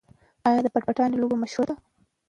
آیا د پټ پټانې لوبه مشهوره نه ده؟